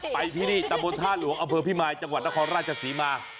ไปที่นี่ตะบนท่าหลวงอำเภอพิมายจังหวัดนครราชศรีมา